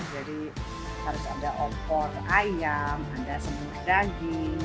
jadi harus ada okor ayam ada semuanya daging ada sambal goreng ating